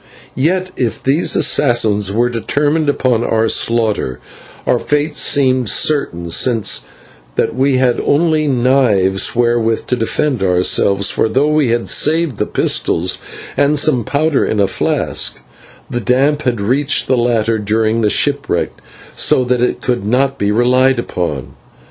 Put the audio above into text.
Yet, if these assassins were determined upon our slaughter, our fate seemed certain, seeing that we had only knives wherewith to defend ourselves, for, though we had saved the pistols and some powder in a flask, the damp had reached the latter during the shipwreck, so that it could not be relied upon.